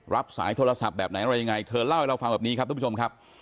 รับสายโทรศัพท์แบบไหนอะไรยังไงเธอเล่าให้เราฟังแบบนี้ครับทุกผู้ชมครับ